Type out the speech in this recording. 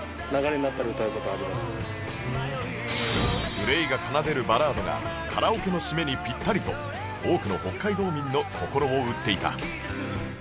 ＧＬＡＹ が奏でるバラードがカラオケの締めにピッタリと多くの北海道民の心を打っていた